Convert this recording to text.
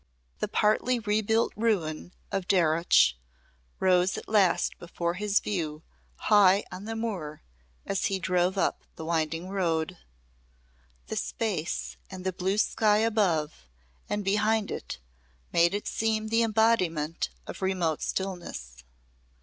The partly rebuilt ruin of Darreuch rose at last before his view high on the moor as he drove up the winding road. The space and the blue sky above and behind it made it seem the embodiment of remote stillness.